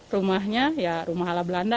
rumahnya ya rumah ala belanda